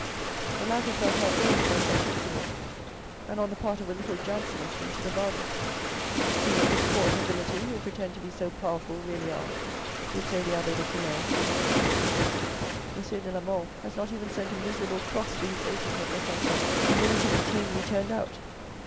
The latter felt outraged by such insolence, and on the part of a little Jansenist into the bargain. "See what this Court nobility who pretend to be so powerful really are," would say the abbe de Frilair to his intimates. M. de la Mole has not even sent a miserable cross to his agent at Besancon, and will let him be tamely turned out.